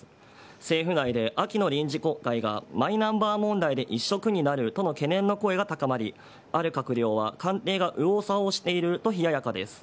政府内で秋の臨時国会がマイナンバー問題で一色になるとの懸念の声が高まり、ある閣僚は、官邸が右往左往していると冷ややかです。